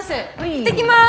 行ってきます。